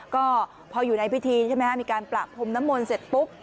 ก็พออยู่ในพิธีใช่ไหมฮะมีการประพรมน้ำมนต์เสร็จปุ๊บ